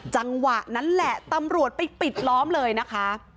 จังหวะนั้นแหละตำรวจไปปิดล้อมเลยนะคะ